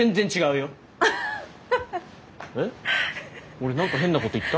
俺何か変なこと言った？